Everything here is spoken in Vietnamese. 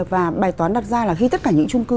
và bài toán đặt ra là khi tất cả những trung cư